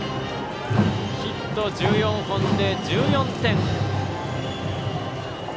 ヒット１４本で１４点。